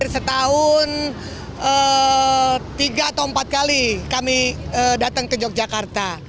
setahun tiga atau empat kali kami datang ke yogyakarta